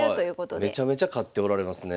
すごい。めちゃめちゃ勝っておられますね。